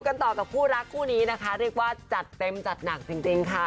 กันต่อกับคู่รักคู่นี้นะคะเรียกว่าจัดเต็มจัดหนักจริงค่ะ